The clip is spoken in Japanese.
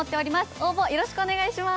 応募よろしくお願いします